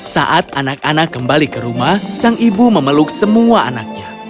saat anak anak kembali ke rumah sang ibu memeluk semua anaknya